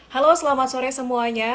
halo selamat sore semuanya